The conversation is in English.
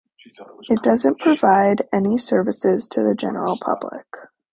It doesn't provide any services to the general public.